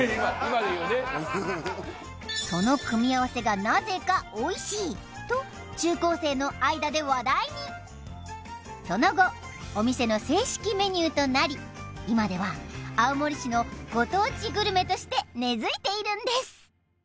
その組み合わせがと中高生の間で話題にその後お店の正式メニューとなり今では青森市のご当地グルメとして根付いているんです